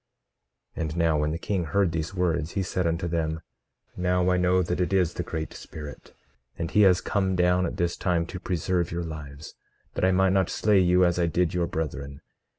18:4 And now, when the king heard these words, he said unto them: Now I know that it is the Great Spirit; and he has come down at this time to preserve your lives, that I might not slay you as I did your brethren.